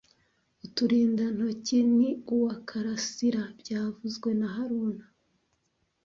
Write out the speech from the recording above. Uturindantoki ni uwa Karasira byavuzwe na haruna